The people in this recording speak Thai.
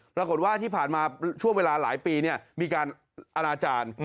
ปรากฏว่าที่ผ่านมาช่วงเวลาหลายปีมีการอนาจารย์